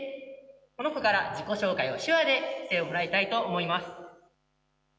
この子から自己紹介を手話で行いたいと思います。